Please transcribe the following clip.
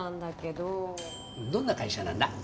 どんな会社なんだ？